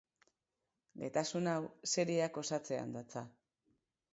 Gaitasun hau serieak osatzean datza.